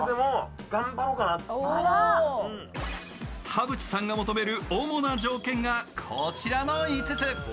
田渕さんが求める主な条件が、こちらの５つ。